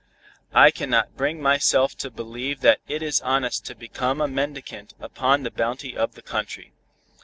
I cannot bring myself to believe that it is honest to become a mendicant upon the bounty of the country.